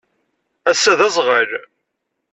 Assa d azɣal